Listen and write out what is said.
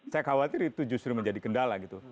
saya khawatir itu justru menjadi kendala gitu